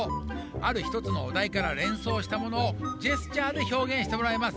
あるひとつのお題から連想したものをジェスチャーでひょうげんしてもらいます。